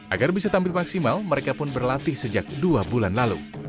agar bisa tampil maksimal mereka pun berlatih sejak dua bulan lalu